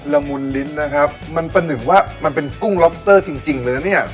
ละมุนลิ้นนะครับมันประหนึ่งว่ามันเป็นกุ้งล็อบเตอร์จริงเลยนะเนี่ย